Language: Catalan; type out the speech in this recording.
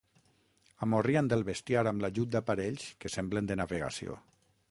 Amorriant el bestiar amb l'ajut d'aparells que semblen de navegació.